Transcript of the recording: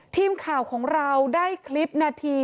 ทีมข่าวของเราได้คลิปนาที